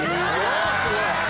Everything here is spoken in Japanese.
すごい。